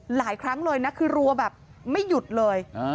หลายครั้งเลยนะคือรัวแบบไม่หยุดเลย